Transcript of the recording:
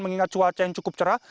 mengingat cuaca yang cukup cerah